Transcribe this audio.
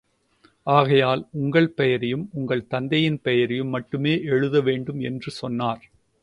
ஆகையால், உங்கள் பெயரையும் உங்கள் தந்தையின் பெயரையும் மட்டுமே எழுத வேண்டும் என்று சொன்னார்.